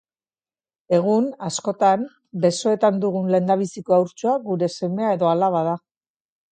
Egun, askotan, besoetan dugun lehendabiziko haurtxoa gure semea edo alaba da.